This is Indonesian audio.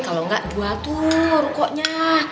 kalau enggak dua tuh rukonya